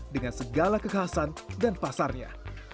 dengan segala kekhasan dan pasarnya